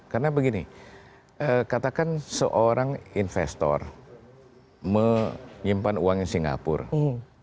karena begini katakan seorang investor menyimpan uang di singapura